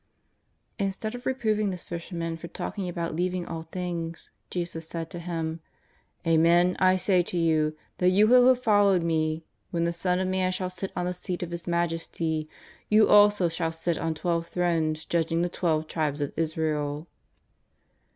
Instead of reproving this fisherman for talking about leaving all things, Jesus said to him : "Amen, I say to you, that you who have followed Me, when the Son of Man shall sit on the seat of His majesty, you also shall sit on twelve thrones judging the twelve tribes of Israel."